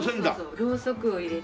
ろうそくを入れて。